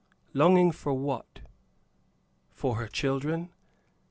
Longing for what? For her children.